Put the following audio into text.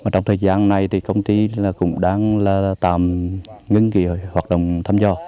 trong thời gian này thì công ty cũng đang tạm ngưng hoạt động thăm dò